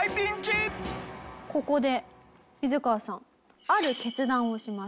ここでミズカワさんある決断をします。